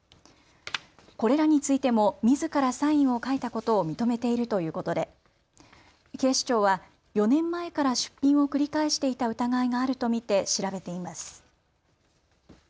これらについてもみずからサインを書いたことを認めているということで警視庁は、４年前から出品を繰り返していた疑いがあると見て調べています。